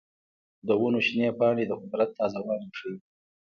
د ونو شنه پاڼې د قدرت تازه والی ښيي.